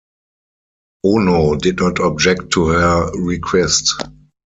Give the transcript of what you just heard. Ono did not object to her request.